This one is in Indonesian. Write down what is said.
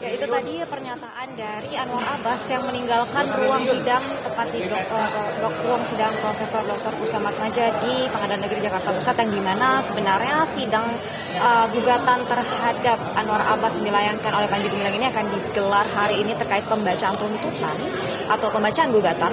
ya itu tadi pernyataan dari anwar abbas yang meninggalkan ruang sidang tepat di ruang sidang prof dr kusamad maja di pengadilan negeri jakarta pusat yang dimana sebenarnya sidang gugatan terhadap anwar abbas yang dilayangkan oleh panji gumilang ini akan digelar hari ini terkait pembacaan tuntutan atau pembacaan gugatan